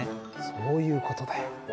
そういう事だよ。